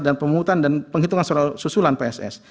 dan penghitungan suara susulan pss